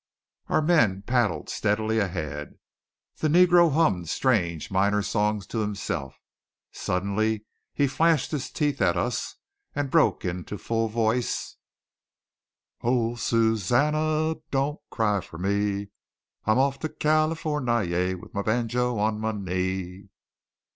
Our men paddled steadily ahead. The negro hummed strange minor songs to himself. Suddenly he flashed his teeth at us and broke into full voice: "Oh, Susannah! don't cry for me! I'm off to California wid my banjo on my knee."